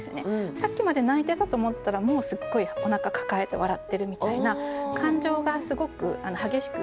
さっきまで泣いてたと思ったらもうすっごいおなか抱えて笑ってるみたいな感情がすごく激しく移り変わっていく。